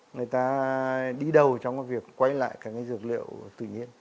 người ta đi đầu trong việc quay lại các cái dược liệu tự nhiên